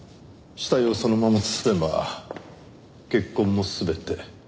死体をそのまま包めば血痕も全て消す事ができる。